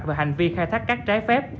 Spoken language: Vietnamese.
và hành vi khai thác cát trái phép